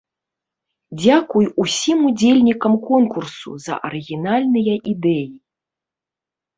Дзякуй усім удзельнікам конкурсу за арыгінальныя ідэі!